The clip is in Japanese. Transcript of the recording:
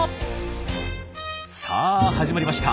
さあ始まりました。